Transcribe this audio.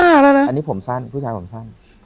อันนี้ผมสั้นผู้ชายผมสั้น